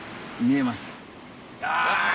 見えます。